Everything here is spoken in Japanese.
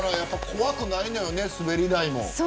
怖くないのよね、滑り台も。